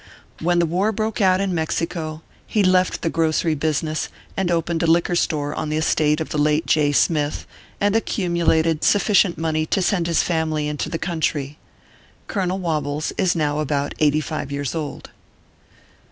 When the war broke out in Mexico, he left the grocery business, and opened a liquor store on the estate of the late J. Smith, and accumulated sufficient money to send his family into the country. Colonel Wobbles is now about eighty five years old.